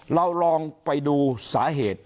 เราลองไปดูสาเหตุ